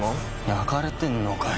焼かれてんのかよ。